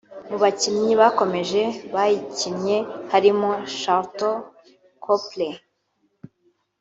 Mu bakinnyi bakomeye bayikinnye harimo Sharlto Copley